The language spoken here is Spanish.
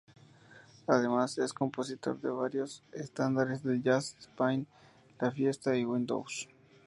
Además, es compositor de varios estándares del jazz: "Spain", "La Fiesta" y "Windows".